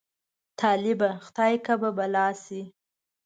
طالبه! خدای که به ملا شې.